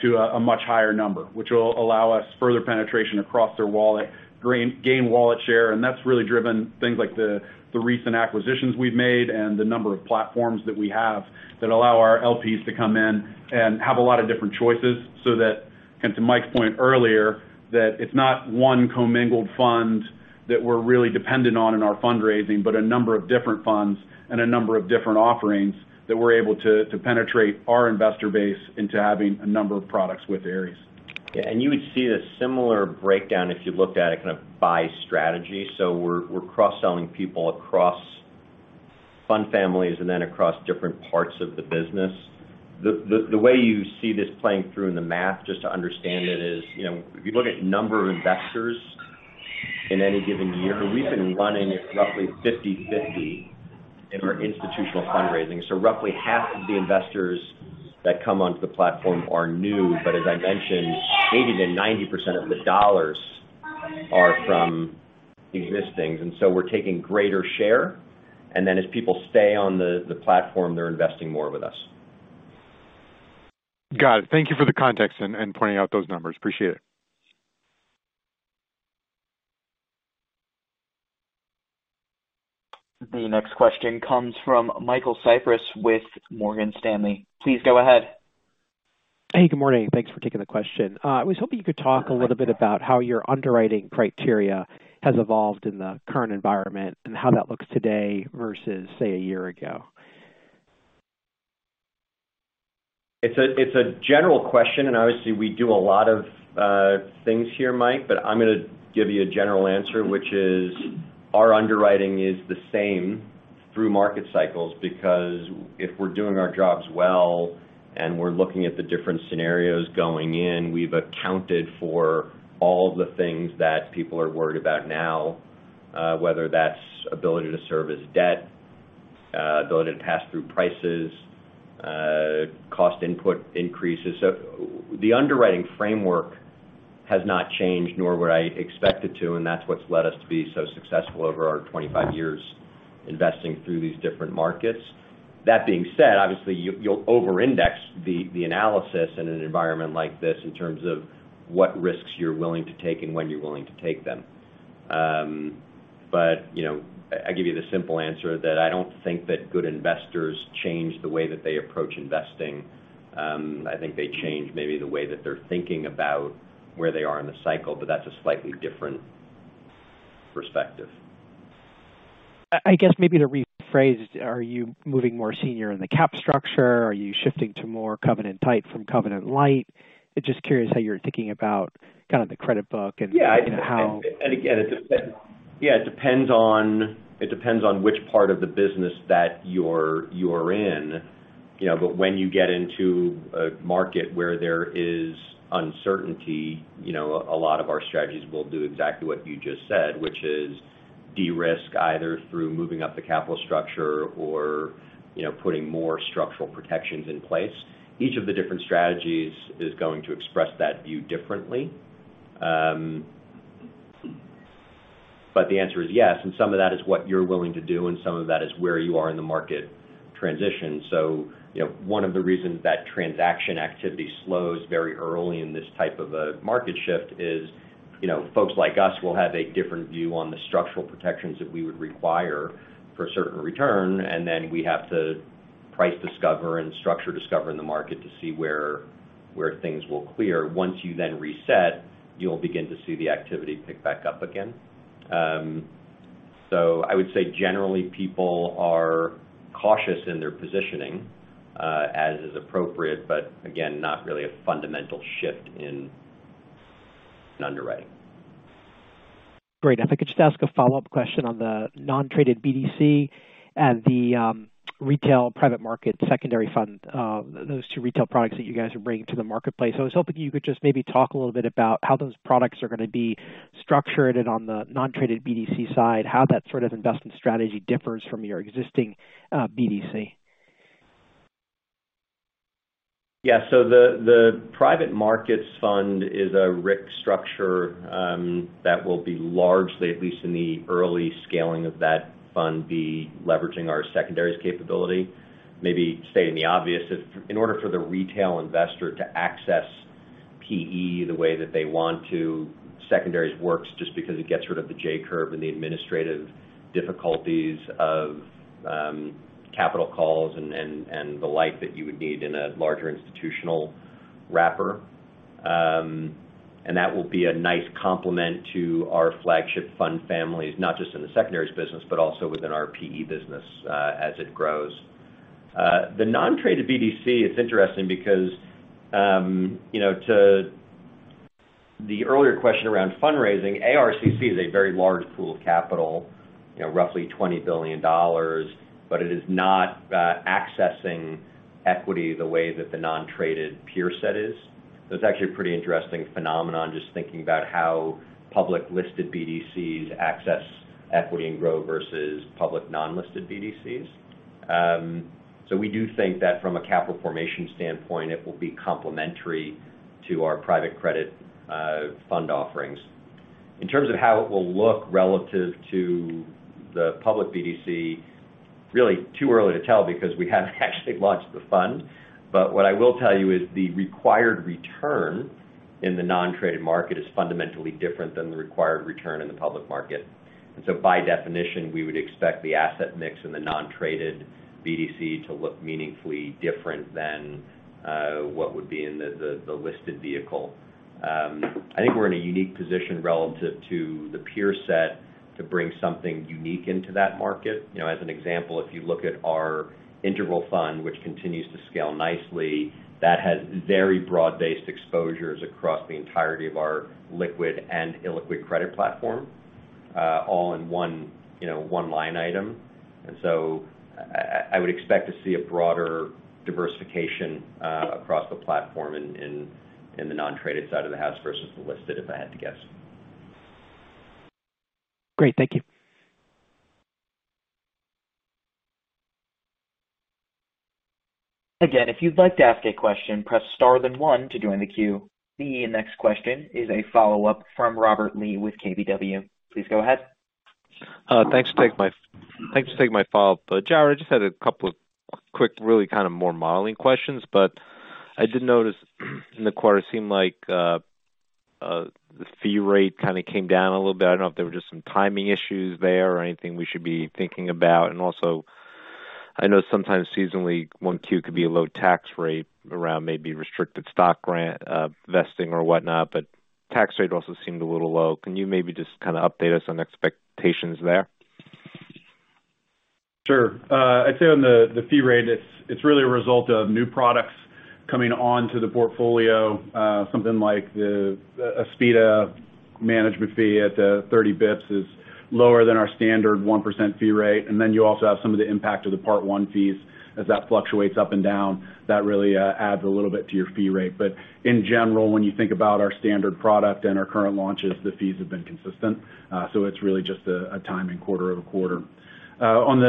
[SPEAKER 4] to a much higher number, which will allow us further penetration across their wallet, gain wallet share. That's really driven things like the recent acquisitions we've made and the number of platforms that we have that allow our LPs to come in and have a lot of different choices so that, to Mike's point earlier, it's not one commingled fund that we're really dependent on in our fundraising, but a number of different funds and a number of different offerings that we're able to penetrate our investor base into having a number of products with Ares.
[SPEAKER 3] Yeah. You would see a similar breakdown if you looked at it kind of by strategy. We're cross-selling people across fund families and then across different parts of the business. The way you see this playing through in the math, just to understand it, is, you know, if you look at number of investors in any given year, we've been running roughly 50/50 in our institutional fundraising. Roughly half of the investors that come onto the platform are new. As I mentioned, 80%-90% of the dollars are from existing. We're taking greater share, and then as people stay on the platform, they're investing more with us.
[SPEAKER 11] Got it. Thank you for the context and pointing out those numbers. Appreciate it.
[SPEAKER 1] The next question comes from Michael Cyprys with Morgan Stanley. Please go ahead.
[SPEAKER 12] Hey, good morning. Thanks for taking the question. I was hoping you could talk a little bit about how your underwriting criteria has evolved in the current environment, and how that looks today versus, say, a year ago.
[SPEAKER 3] It's a general question, and obviously, we do a lot of things here, Mike, but I'm gonna give you a general answer, which is our underwriting is the same through market cycles because if we're doing our jobs well and we're looking at the different scenarios going in, we've accounted for all the things that people are worried about now, whether that's ability to service debt, ability to pass through prices, cost input increases. The underwriting framework has not changed, nor would I expect it to, and that's what's led us to be so successful over our 25 years investing through these different markets. That being said, obviously you'll over-index the analysis in an environment like this in terms of what risks you're willing to take and when you're willing to take them. You know, I give you the simple answer that I don't think that good investors change the way that they approach investing. I think they change maybe the way that they're thinking about where they are in the cycle, but that's a slightly different perspective.
[SPEAKER 12] I guess maybe to rephrase, are you moving more senior in the cap structure? Are you shifting to more covenant type from covenant light? Just curious how you're thinking about kind of the credit book and-
[SPEAKER 3] Yeah.
[SPEAKER 12] -how.
[SPEAKER 3] It depends on which part of the business that you're in. You know, but when you get into a market where there is uncertainty, you know, a lot of our strategies will do exactly what you just said, which is de-risk either through moving up the capital structure or, you know, putting more structural protections in place. Each of the different strategies is going to express that view differently. But the answer is yes, and some of that is what you're willing to do, and some of that is where you are in the market transition. You know, one of the reasons that transaction activity slows very early in this type of a market shift is, you know, folks like us will have a different view on the structural protections that we would require for a certain return, and then we have to price discover and structure discover in the market to see where things will clear. Once you then reset, you'll begin to see the activity pick back up again. I would say generally people are cautious in their positioning, as is appropriate, but again, not really a fundamental shift in underwriting.
[SPEAKER 12] Great. If I could just ask a follow-up question on the non-traded BDC and the retail private market secondary fund, those two retail products that you guys are bringing to the marketplace. I was hoping you could just maybe talk a little bit about how those products are gonna be structured and on the non-traded BDC side, how that sort of investment strategy differs from your existing BDC.
[SPEAKER 3] Yeah. The private markets fund is a RIC structure that will be largely, at least in the early scaling of that fund, be leveraging our secondaries capability. Maybe stating the obvious, in order for the retail investor to access PE the way that they want to, secondaries works just because it gets rid of the J-curve and the administrative difficulties of capital calls and the like that you would need in a larger institutional wrapper. That will be a nice complement to our flagship fund families, not just in the secondaries business, but also within our PE business, as it grows. The non-traded BDC is interesting because, you know, to the earlier question around fundraising, ARCC is a very large pool of capital, you know, roughly $20 billion, but it is not accessing equity the way that the non-traded peer set is. It's actually a pretty interesting phenomenon just thinking about how public-listed BDCs access equity and grow versus public non-listed BDCs. We do think that from a capital formation standpoint, it will be complementary to our private credit fund offerings. In terms of how it will look relative to the public BDC, really too early to tell because we haven't actually launched the fund. What I will tell you is the required return in the non-traded market is fundamentally different than the required return in the public market. By definition, we would expect the asset mix in the non-traded BDC to look meaningfully different than what would be in the listed vehicle. I think we're in a unique position relative to the peer set to bring something unique into that market. You know, as an example, if you look at our interval fund, which continues to scale nicely, that has very broad-based exposures across the entirety of our liquid and illiquid credit platform, all in one, you know, one line item. I would expect to see a broader diversification across the platform in the non-traded side of the house versus the listed, if I had to guess.
[SPEAKER 12] Great. Thank you.
[SPEAKER 1] Again, if you'd like to ask a question, press star then one to join the queue. The next question is a follow-up from Robert Lee with KBW. Please go ahead.
[SPEAKER 6] Thanks for taking my follow-up. Jarrod, I just had a couple of quick really kind of more modeling questions. I did notice in the quarter, it seemed like, the fee rate kinda came down a little bit. I don't know if there were just some timing issues there or anything we should be thinking about. I know sometimes seasonally one Q could be a low tax rate around maybe restricted stock grant, vesting or whatnot. Tax rate also seemed a little low. Can you maybe just kinda update us on expectations there?
[SPEAKER 4] Sure. I'd say on the fee rate, it's really a result of new products coming onto the portfolio. Something like a Aspida management fee at the 30 basis points is lower than our standard 1% fee rate. You also have some of the impact of the part one fees as that fluctuates up and down, that really adds a little bit to your fee rate. In general, when you think about our standard product and our current launches, the fees have been consistent. It's really just a timing quarter-over-quarter. On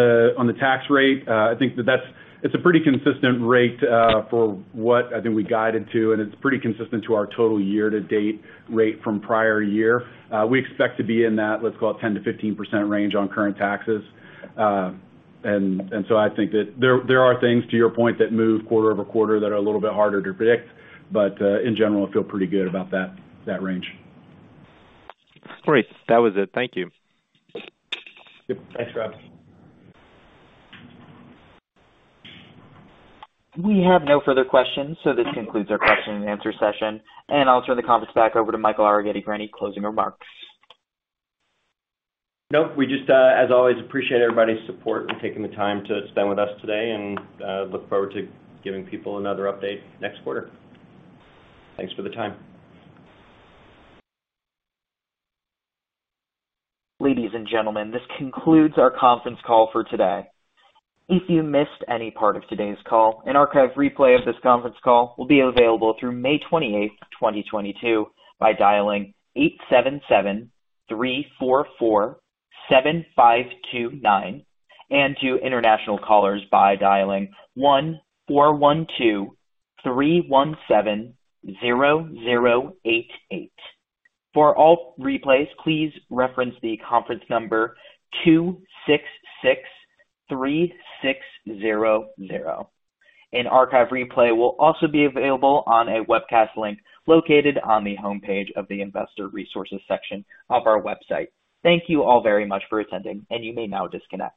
[SPEAKER 4] the tax rate, I think it's a pretty consistent rate for what I think we guided to, and it's pretty consistent to our total year-to-date rate from prior year. We expect to be in that, let's call it 10%-15% range on current taxes. I think that there are things to your point that move quarter-over-quarter that are a little bit harder to predict, but in general, I feel pretty good about that range.
[SPEAKER 6] Great. That was it. Thank you.
[SPEAKER 4] Yep. Thanks, Rob.
[SPEAKER 1] We have no further questions, so this concludes our question and answer session, and I'll turn the conference back over to Michael Arougheti for any closing remarks.
[SPEAKER 3] Nope. We just, as always, appreciate everybody's support and taking the time to spend with us today, and look forward to giving people another update next quarter. Thanks for the time.
[SPEAKER 1] Ladies and gentlemen, this concludes our conference call for today. If you missed any part of today's call, an archive replay of this conference call will be available through May 28, 2022 by dialing eight seven seven three four four seven five two nine, and to international callers by dialing one four one two three one seven one one eight eight. For all replays, please reference the conference number two six six three six one one. An archive replay will also be available on a webcast link located on the homepage of the investor resources section of our website. Thank you all very much for attending, and you may now disconnect.